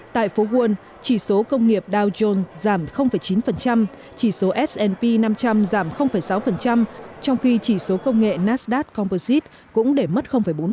tại phố won chỉ số công nghiệp dow jones giảm chín chỉ số s p năm trăm linh giảm sáu trong khi chỉ số công nghệ nasdad compersite cũng để mất bốn